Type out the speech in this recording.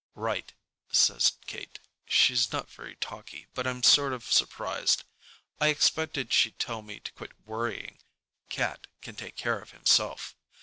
"Right," says Kate. She's not very talky, but I'm sort of surprised. I expected she'd tell me to quit worrying, Cat can take care of himself.